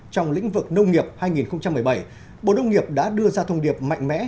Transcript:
trong lĩnh vực nông nghiệp hai nghìn một mươi bảy bộ nông nghiệp đã đưa ra thông điệp mạnh mẽ